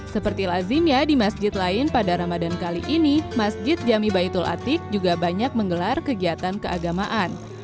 seperti lazimnya di masjid lain pada ramadan kali ini masjid jami baitul atik juga banyak menggelar kegiatan keagamaan